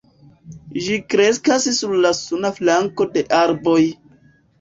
Ĝi kreskas sur la suna flanko de arboj.